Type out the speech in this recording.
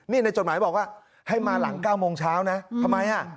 นี่ในจดหมายบอกว่าให้มาหลัง๙โมงเช้านะทำไมอ่ะ